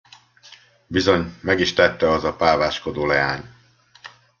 Bizony, meg is tette az a páváskodó leány!